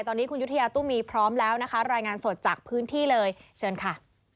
ตอนนี้คุณยุธยาตุ้มีพร้อมแล้วนะคะรายงานสดจากพื้นที่เลยเชิญค่ะ